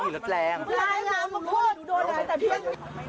ร้านหนูมากพวดหนูโดนอาจแต่พิษ